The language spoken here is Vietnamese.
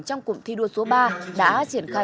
trong cụm thi đua số ba đã triển khai